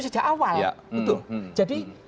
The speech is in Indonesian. sejak awal jadi